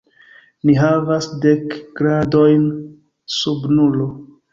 Ni havas dek gradojn sub nulo.